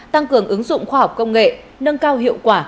tăng cường ứng dụng khoa học công nghệ nâng cao hiệu quả